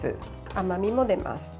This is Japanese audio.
甘みも出ます。